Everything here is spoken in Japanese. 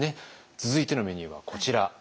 続いてのメニューはこちら。